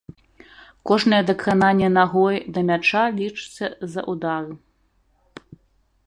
Кожнае дакрананне нагой да мяча лічыцца за ўдар.